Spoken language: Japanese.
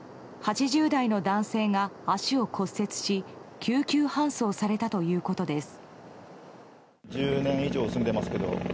８０代の男性が足を骨折し救急搬送されたということです。